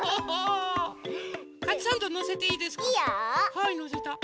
はいのせた。